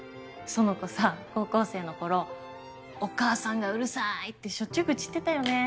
苑子さ高校生のころお母さんがうるさいってしょっちゅう愚痴ってたよね。